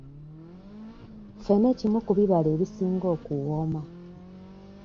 Ffene kimu ku bibala ebisinga okuwooma.